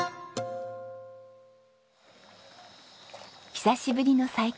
久しぶりの再会。